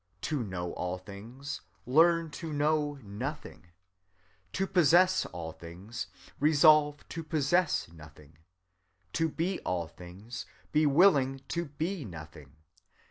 "To know all things, learn to know nothing. "To possess all things, resolve to possess nothing. "To be all things, be willing to be nothing.